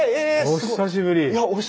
お久しぶりです。